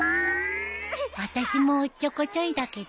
私もおっちょこちょいだけど